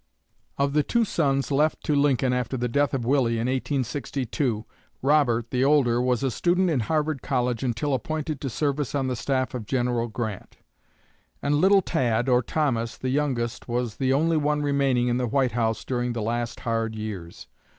Of the two sons left to Lincoln after the death of Willie in 1862, Robert, the older, was a student in Harvard College until appointed to service on the staff of General Grant; and "Little Tad," or Thomas, the youngest, was the only one remaining in the White House during the last hard years.